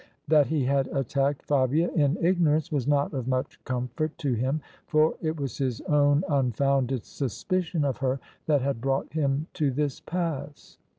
That he had attacked Fabia in ignorance was not of much comfort to him, for it was his own unfounded suspicion of her that had brought him to this pass.